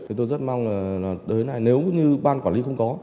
thì tôi rất mong là tới nay nếu như ban quản lý không có